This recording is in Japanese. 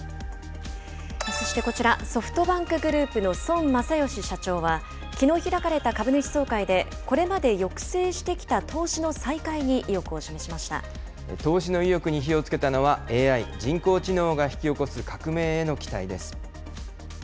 そしてこちら、ソフトバンクグループの孫正義社長は、きのう開かれた株主総会で、これまで抑制してきた投資の再開に意欲を示投資の意欲に火をつけたのは、ＡＩ・人工知能が引き起こす革命への期待です。